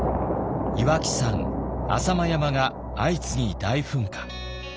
岩木山浅間山が相次ぎ大噴火。